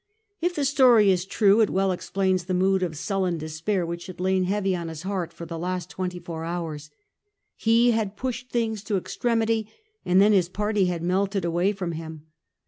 If the story is true, it well explains the mood of sullen despair which had lain heavy on his soul for the last twenty four hours. He had pushed things to extremity, and then Ms party had melted away from him.